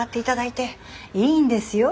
いいんですよ